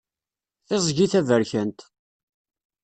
Tiẓgi taberkant.